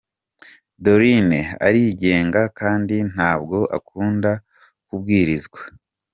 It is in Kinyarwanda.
Doreen arigenga kandi ntabwo akunda kubwirizwa.